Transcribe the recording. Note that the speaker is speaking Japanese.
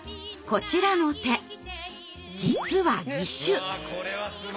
こちらの手実は義手！